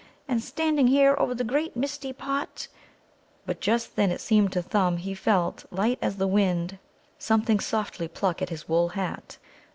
And standing here over the great misty pot " But just then it seemed to Thumb he felt, light as the wind, something softly pluck at his wool hat.